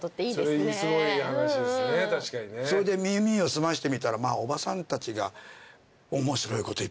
それで耳を澄ましてみたらおばさんたちが面白いこといっぱい。